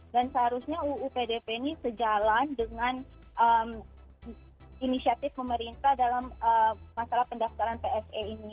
dan seharusnya uu pdp ini sejalan dengan inisiatif pemerintah dalam masalah pendaftaran pse ini